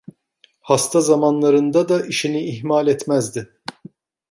Hasta zamanlarında da işini ihmal etmezdi.